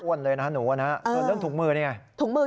อ้วนเลยนะหนูอันนี้เรื่องถุงมือ